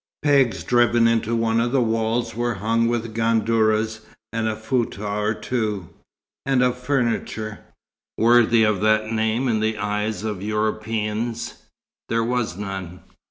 Pegs driven into one of the walls were hung with gandourahs and a foutah or two; and of furniture, worthy of that name in the eyes of Europeans, there was none.